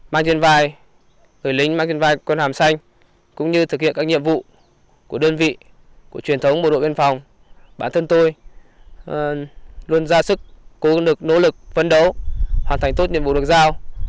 mình luôn ra sức cố gắng nỗ lực vấn đấu hoàn thành tốt nhiệm vụ được giao